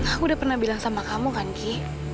aku udah pernah bilang sama kamu kan ki